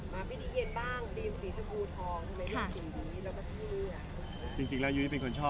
มาพิเทียนบ้าง